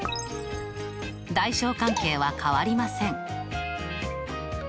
大小関係は変わりません。